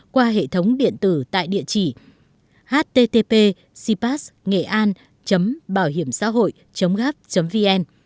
qua hệ thống điện tử tại địa chỉ